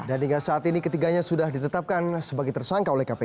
dan hingga saat ini ketiganya sudah ditetapkan sebagai tersangka oleh kpk